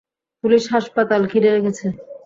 Police হাসপাতাল ঘিরে রেখেছে।